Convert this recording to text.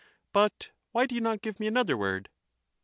But why do you not give me another word?